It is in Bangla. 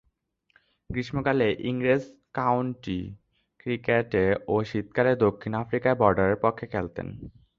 গ্রীষ্মকালে ইংরেজ কাউন্টি ক্রিকেটে ও শীতকালে দক্ষিণ আফ্রিকায় বর্ডারের পক্ষে খেলতেন।